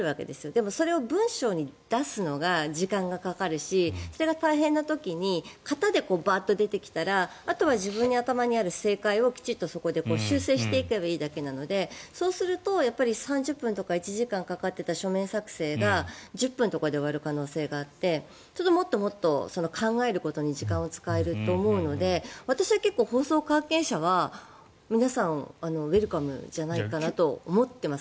でも、それを文章に出すのが時間がかかるしそれが大変な時に型でバーッと出てきたらあとは自分の頭の中にある正解をきちんとそこで修正していけばいいだけなのでそうすると３０分、１時間かかっていた書面作成が１０分とかで終わる可能性があってもっともっと考えることに時間を使えると思うので私は結構、法曹関係者は皆さん、ウェルカムじゃないかなと思ってます。